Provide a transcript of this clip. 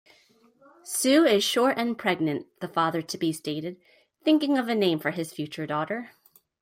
"Sue is short and pregnant", the father-to-be stated, thinking of a name for his future daughter.